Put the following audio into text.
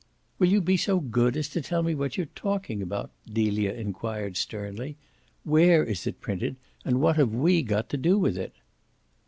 "Will you be so good as to tell me what you're talking about?" Delia enquired sternly. "Where is it printed and what have we got to do with it?"